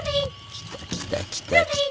来た来た来た来た！